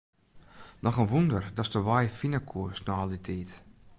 Noch in wûnder datst de wei fine koest nei al dy tiid.